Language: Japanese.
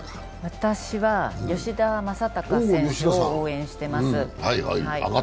私は吉田正尚選手を応援しています。